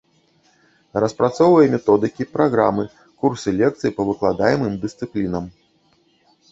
Распрацоўвае методыкі, праграмы, курсы лекцый па выкладаемым дысцыплінам.